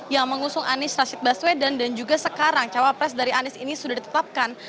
yang mengusung anies rashid baswedan dan juga sekarang cawapres dari anies ini sudah ditetapkan